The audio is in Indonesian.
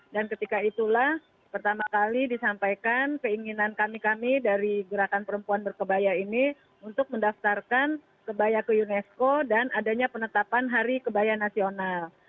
dan ketika itulah pertama kali disampaikan keinginan kami kami dari gerakan perempuan berkebaya ini untuk mendaftarkan kebaya ke unesco dan adanya penetapan hari kebaya nasional